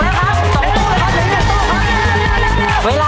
เวลาไล่ไปแล้วครับ